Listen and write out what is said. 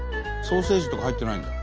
ソーセージとか入ってないんだ。